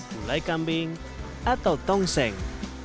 mulai kambing atau tongseng